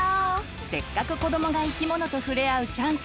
せっかく子どもが生き物と触れ合うチャンス